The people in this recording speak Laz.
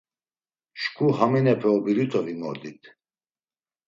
Şǩu haminepe obirute vimordit.